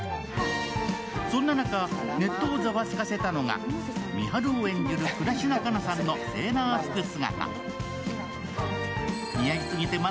そんな中、ネットをざわつかせたのが、美晴を演じる倉科カナさんのセーラー服姿。